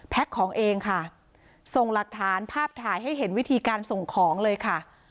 ของเองค่ะส่งหลักฐานภาพถ่ายให้เห็นวิธีการส่งของเลยค่ะ